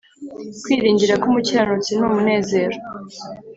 kwiringira k’umukiranutsi ni umunezero,